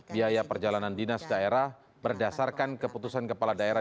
biaya perjalanan dinas daerah berdasarkan keputusan kepala daerah